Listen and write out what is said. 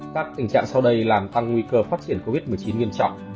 các tình trạng sau đây làm tăng nguy cơ phát triển covid một mươi chín nghiêm trọng